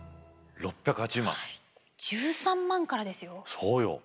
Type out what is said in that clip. そうよ！